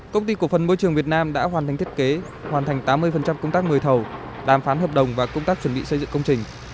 công ty cổ phần môi trường việt nam đã hoàn thành thiết kế hoàn thành tám mươi công tác mời thầu đàm phán hợp đồng và công tác chuẩn bị xây dựng công trình